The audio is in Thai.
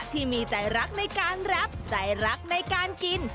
ที่มีใจรักในการแรปใจรักในการกิน